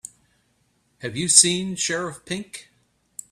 Have you seen Sheriff Pink?